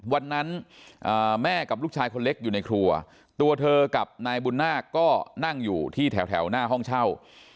วันนั้นแม่กับลูกชายคนเล็กอยู่ในครัวตัวเธอกับนายบุญนาคก็นั่งอยู่ที่แถวหน้าห้องเช่า